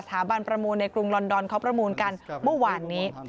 ถันประมูลในกรุงลอนดอนเขาประมูลกันเมื่อวานนี้